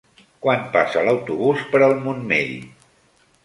Quan passa l'autobús per el Montmell?